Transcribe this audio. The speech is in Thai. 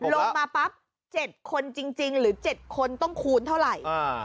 ลงมาปั๊บ๗คนจริงหรือ๗คนต้องคูณเท่าไหร่